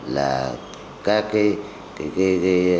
là các cái